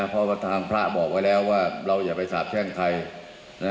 เพราะว่าทางพระบอกไว้แล้วว่าเราอย่าไปสาบแช่งใคร